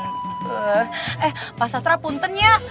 eh pak sastra pun ten ya